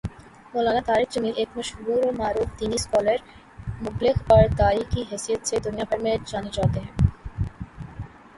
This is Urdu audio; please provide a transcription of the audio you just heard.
مولانا طارق جمیل ایک مشہور و معروف دینی سکالر ، مبلغ اور داعی کی حیثیت سے دنیا بھر میں جانے جاتے ہیں